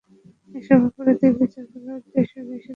এসব অপরাধের বিচার করার উদ্দেশ্যে দেশে দেশে কঠোর আইন প্রণীত হয়েছে।